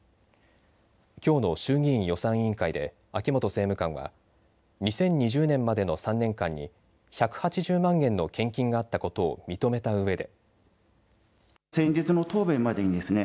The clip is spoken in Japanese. きょうの衆議院予算委員会で秋本政務官は２０２０年までの３年間に１８０万円の献金があったことを認めたうえで。